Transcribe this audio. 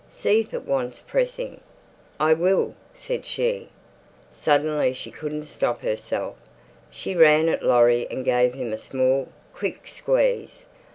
See if it wants pressing." "I will," said she. Suddenly she couldn't stop herself. She ran at Laurie and gave him a small, quick squeeze.